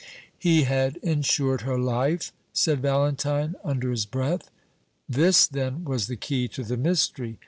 "He had insured her life!" said Valentine, under his breath. This, then, was the key to the mystery.